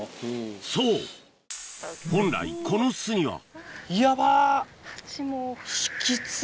そう本来この巣にはヤバっ！